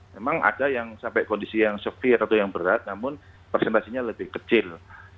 memang ada yang sampai kondisi yang severe atau yang berat namun presentasinya lebih kecil